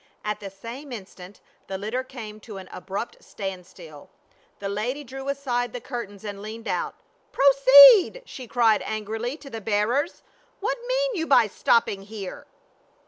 At the same instant the litter came to an abrupt standstill. The lady drew aside the curtains and leaned out. " Pro ceed !" she cried angrily to the bearers, "what mean you by stopping here?"